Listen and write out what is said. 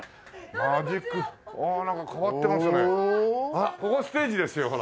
あっここステージですよほら。